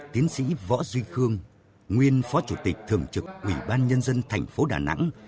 tiến sĩ võ duy khương nguyên phó chủ tịch thường trực ủy ban nhân dân thành phố đà nẵng